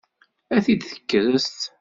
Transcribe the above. Ad t-id-tekkes?